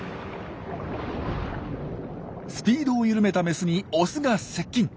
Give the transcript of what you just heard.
スピードを緩めたメスにオスが接近。